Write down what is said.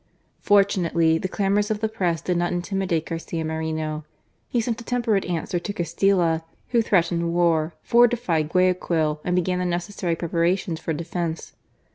Fortunately, the clamours of the Press did not intimidate Garcia Moreno. He sent a temperate answer to Castilla, who threatened war, fortified Guayaquil, and began: the necessary preparations for defence.